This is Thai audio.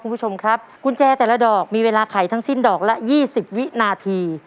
คุณผู้ชมครับกุญแจแต่ละดอกมีเวลาไขทั้งสิ้นดอกละ๒๐วินาที